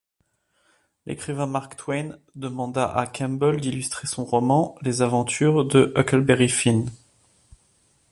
L'écrivain Mark Twain demanda à Kemble d'illustrer son roman Les Aventures de Huckleberry Finn.